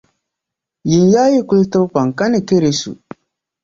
Yinyaa yi kuli tibi kpaŋ ka ni karɛsu.